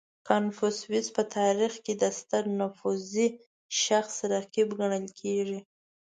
• کنفوسیوس په تاریخ کې د ستر نفوذي شخص رقیب ګڼل کېږي.